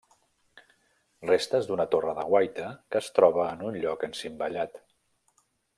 Restes d'una torre de guaita que es troba en un lloc encimbellat.